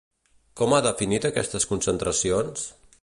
Com ha definit aquestes concentracions?